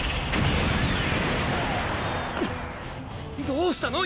どうしたの？